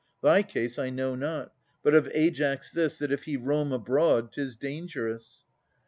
Thy case I know not ; but of Aias this, That if he roam abroad, 'tis dangerous.